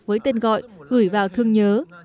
với tên gọi gửi vào thương nhớ